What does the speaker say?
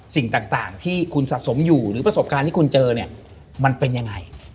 สิ่งต่างที่คุณสะสมอยู่หรือประสบการณ์ที่คุณเจอเนี่ยมันเป็นยังไง